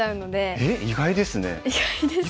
えっ意外ですね。